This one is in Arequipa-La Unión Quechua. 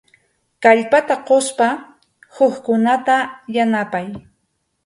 Kallpata quspa hukkunata yanapay.